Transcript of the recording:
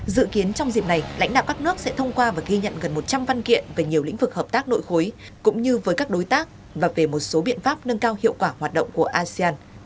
dự kiến trong dịp này lãnh đạo các nước sẽ thông qua và ghi nhận gần một trăm linh văn kiện về nhiều lĩnh vực hợp tác nội khối cũng như với các đối tác và về một số biện pháp nâng cao hiệu quả hoạt động của asean